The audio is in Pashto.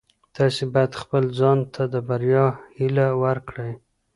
تاسي باید خپل ځان ته د بریا هیله ورکړئ.